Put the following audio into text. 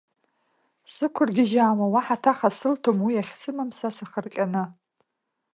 Сықәыргьежьуа уаҳа ҭаха сылҭом, уи ахьсымам са сахырҟьаны…